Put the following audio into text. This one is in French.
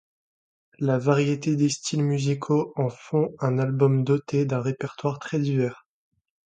La variété des styles musicaux en font un album doté d'un répertoire très divers.